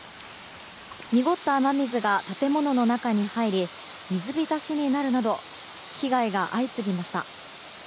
にごった雨水が建物の中に入り水浸しになるなど被害が相次ぎました。